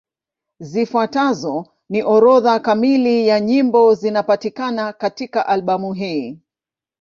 Zifuatazo ni orodha kamili ya nyimbo zinapatikana katika albamu hii.